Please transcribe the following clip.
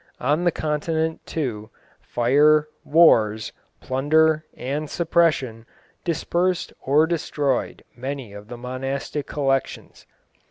On the continent, too, fire, wars, plunder, and suppression dispersed or destroyed many of the monastic collections.